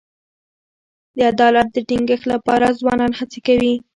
د عدالت د ټینګښت لپاره ځوانان هڅي کوي.